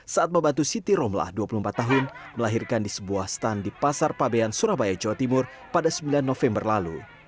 saat membantu siti romlah dua puluh empat tahun melahirkan di sebuah stand di pasar pabean surabaya jawa timur pada sembilan november lalu